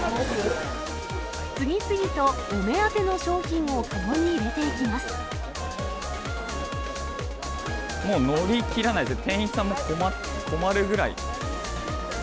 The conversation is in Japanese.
次々とお目当ての商品を籠にもう、載りきらないですね、店員さんも困るぐらい。